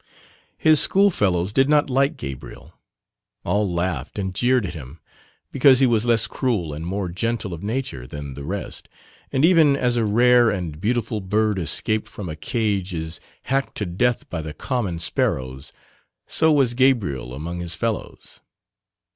His schoolfellows did not like Gabriel; all laughed and jeered at him, because he was less cruel and more gentle of nature than the rest, and even as a rare and beautiful bird escaped from a cage is hacked to death by the common sparrows, so was Gabriel among his fellows.